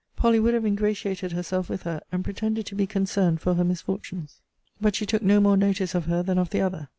Polly would have ingratiated herself with her; and pretended to be concerned for her misfortunes. But she took no more notice of her than of the other.